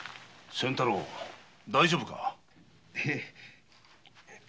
仙太郎大丈夫か？